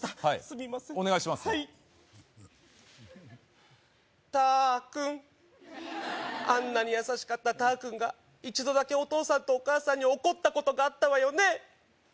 はいタ君あんなに優しかったタ君が一度だけお父さんとお母さんに怒ったことがあったわよね